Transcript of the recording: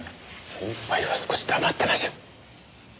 先輩は少し黙ってましょ！